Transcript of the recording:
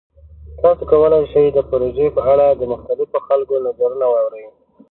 تاسو کولی شئ د پروژې په اړه د مختلفو خلکو نظرونه واورئ.